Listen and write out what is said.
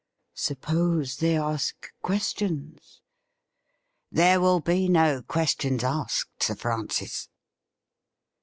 ' Suppose they ask questions ?'' There will be no questions asked. Sir Francis.